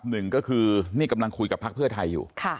หนึ่งก็คือนี่กำลังคุยกับพักเพื่อไทยอยู่